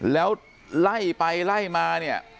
แล้วไล่ไปไล่มา